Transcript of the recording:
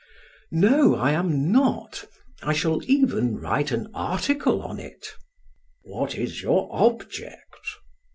"No, I am not. I shall even write an article on it." "What is your object?"